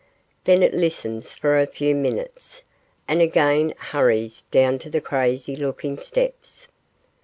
Then it listens for a few minutes, and again hurries down to the crazy looking steps.